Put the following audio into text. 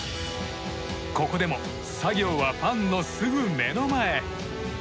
ここでも、作業はファンのすぐ目の前。